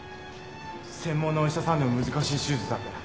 専門のお医者さんでも難しい手術だって。